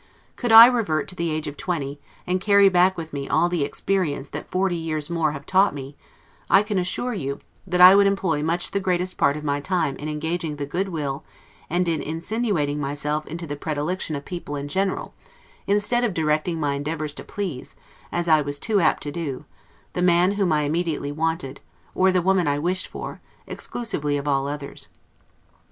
Could I revert to the age of twenty, and carry back with me all the experience that forty years more have taught me, I can assure you, that I would employ much the greatest part of my time in engaging the good will, and in insinuating myself into the predilection of people in general, instead of directing my endeavors to please (as I was too apt to do) to the man whom I immediately wanted, or the woman I wished for, exclusively of all others.